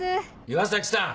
岩崎さん